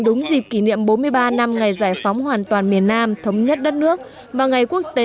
đúng dịp kỷ niệm bốn mươi ba năm ngày giải phóng hoàn toàn miền nam thống nhất đất nước và ngày quốc tế